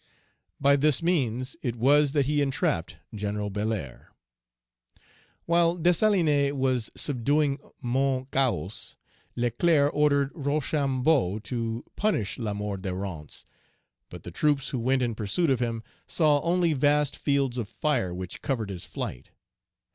By this means it was that he entrapped General Belair. While Dessalines was subduing Mount Cahos, Leclerc ordered Rochambeau to punish Lamour de Rance; but the troops who went in pursuit of him saw only vast fields of fire which covered his flight.